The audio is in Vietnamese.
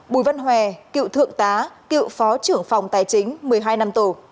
bùi văn hòe cựu thượng tá cựu phó trưởng phòng tài chính một mươi hai năm tù